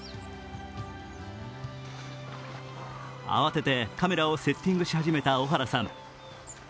慌ててカメラをセッティングし始めた小原さん。